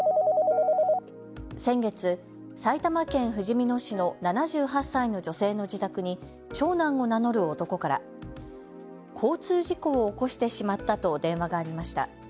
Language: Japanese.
先月、埼玉県ふじみ野市の７８歳の女性の自宅に長男を名乗る男から交通事故を起こしてしまったと電話がありました。